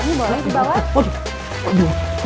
ini boleh dibawa